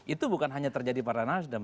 itu bukan hanya terjadi pada nasdem